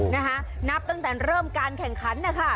นะคะนับตั้งแต่เริ่มการแข่งขันนะคะ